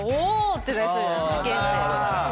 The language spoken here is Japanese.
ってなりそうじゃん受験生。